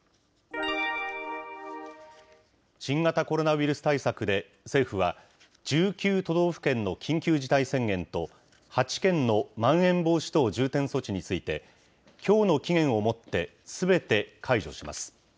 新型コロナウイルス対策で、政府は、１９都道府県の緊急事態宣言と、８県のまん延防止等重点措置について、きょうの期限をもってすべて解除します。